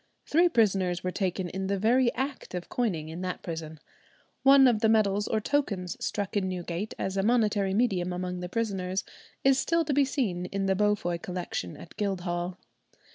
Three prisoners were taken in the very act of coining in that prison. One of the medals or tokens struck in Newgate as a monetary medium among the prisoners is still to be seen in the Beaufoy Collection at Guildhall.